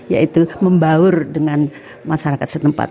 yaitu membaur dengan masyarakat setempat